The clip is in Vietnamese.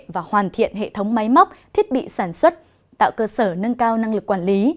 và hoàn thiện hệ thống máy móc thiết bị sản xuất tạo cơ sở nâng cao năng lực quản lý